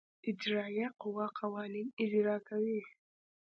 اجرائیه قوه قوانین اجرا کوي.